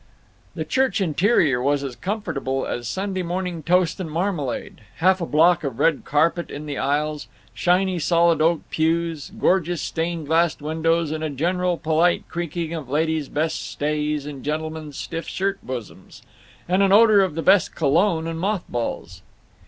The church interior was as comfortable as Sunday morning toast and marmalade—half a block of red carpet in the aisles; shiny solid oak pews, gorgeous stained glass windows, and a general polite creaking of ladies' best stays and gentlemen's stiff shirt bosoms, and an odor of the best cologne and moth balls.